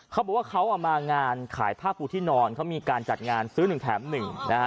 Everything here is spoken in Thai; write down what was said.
เขาบอกว่าเขาเอามางานขายผ้าปูที่นอนเขามีการจัดงานซื้อหนึ่งแถมหนึ่งนะฮะ